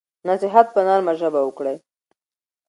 نصیحت په نرمه ژبه وکړئ.